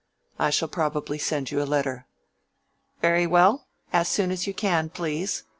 I shall probably send you a letter." "Very well. As soon as you can, please.